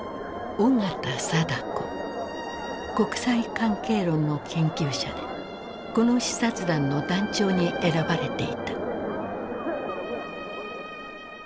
国際関係論の研究者でこの視察団の団長に選ばれていた。